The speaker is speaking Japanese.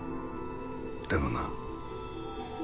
でもな。